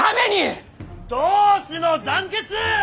同志の団結！